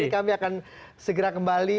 kami akan segera kembali